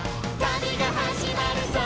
「旅が始まるぞ！」